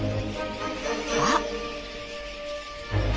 あっ！